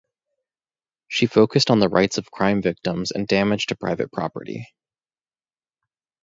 She focused on the rights of crime victims and damage to private property.